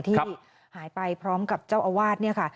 ที่หายไปพร้อมกับเจ้าอาวาสเนี่ยค่ะ